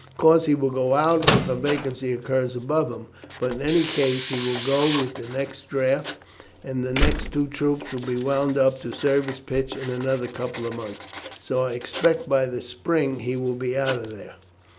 Of course, he will go out if a vacancy occurs above him; but in any case he will go with the next draft, and the next two troops will be wound up to service pitch in another couple of months, so I expect by the spring he will be out there.